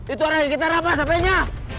itu orang yang kita rapah sampe nya